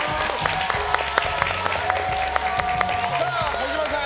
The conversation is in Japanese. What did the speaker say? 児嶋さん